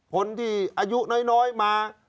คนที่อายุน้อยมา